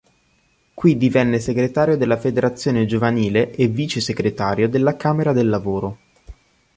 Qui divenne segretario della federazione giovanile e vicesegretario della Camera del Lavoro.